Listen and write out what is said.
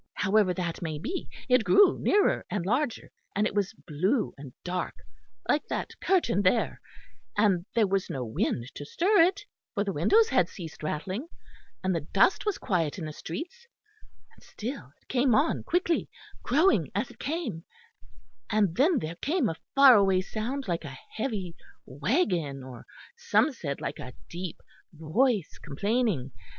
However that may be, it grew nearer and larger, and it was blue and dark like that curtain there; and there was no wind to stir it, for the windows had ceased rattling, and the dust was quiet in the streets; and still it came on quickly, growing as it came; and then there came a far away sound, like a heavy waggon, or, some said, like a deep voice complaining.